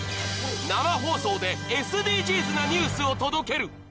生放送でＳＤＧｓなニュースを届ける。